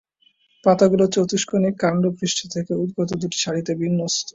পাতাগুলি চতুষ্কোণী, কান্ডপৃষ্ঠ থেকে উদগত দুটি সারিতে বিন্যস্ত।